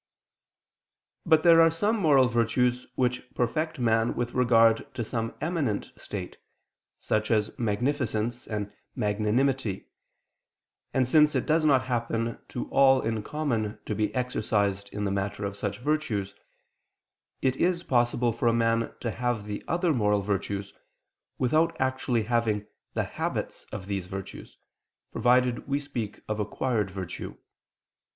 But there are some moral virtues which perfect man with regard to some eminent state, such as magnificence and magnanimity; and since it does not happen to all in common to be exercised in the matter of such virtues, it is possible for a man to have the other moral virtues, without actually having the habits of these virtues provided we speak of acquired virtue.